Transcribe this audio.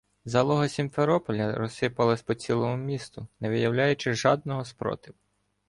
Залога Сімферополя розсипалась по цілому місту, не виявляючи жадного спротиву.